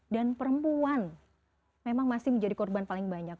dan perempuan memang masih menjadi korban paling banyak